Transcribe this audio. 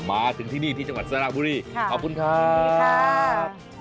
มาถึงที่นี่ที่จังหวัดสระบุรีขอบคุณครับ